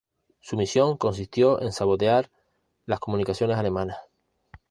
Su misión consistió en sabotear las comunicaciones alemanas.